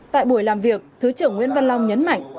tại buổi làm việc thứ trưởng nguyễn văn long nhấn mạnh